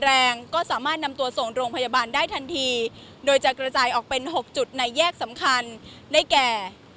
สามารถรามบัตรรุนแรงก็สามารถนำตัวส่งพยาบาลได้ทันทีโดยจะกระจายออกเป็น๖จุดในแยกสำคัญได้แก่